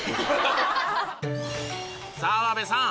澤部さん！